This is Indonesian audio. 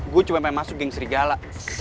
gue cuma pengen masuk geng serigala